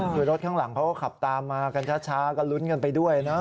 คือรถข้างหลังเขาก็ขับตามมากันช้าก็ลุ้นกันไปด้วยนะ